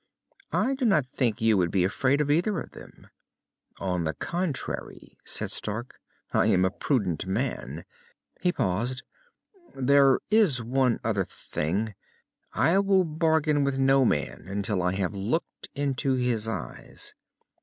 "I do not think you would be afraid of either of them." "On the contrary," said Stark, "I am a prudent man." He paused. "There is one other thing. I will bargain with no man until I have looked into his eyes.